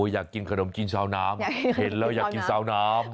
อยากกินขนมกินชาวน้ำเห็นแล้วอยากกินซาวน้ำ